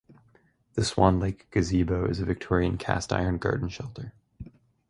The Swan Lake Gazebo is a Victorian cast-iron garden shelter.